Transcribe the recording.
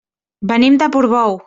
Venim de Portbou.